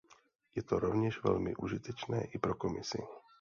Je to rovněž velmi užitečné i pro Komisi.